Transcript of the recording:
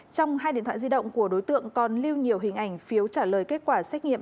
trong hai điện thoại di động của đối tượng còn lưu nhiều hình ảnh phiếu trả lời kết quả xét nghiệm